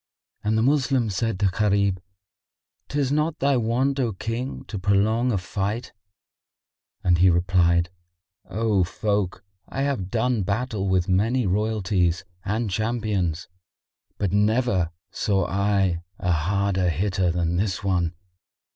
And the Moslems said to Gharib, "'Tis not thy want, O King, to prolong a fight;" and he replied, "O folk, I have done battle with many royalties[FN#56] and champions; but never saw I a harder hitter than this one.